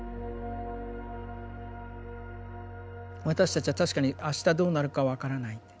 私たちは確かにあしたどうなるか分からない。